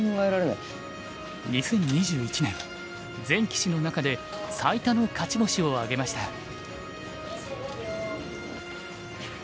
全棋士の中で最多の勝ち星を挙げました。